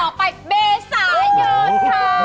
ต่อไปเมสายนค่ะ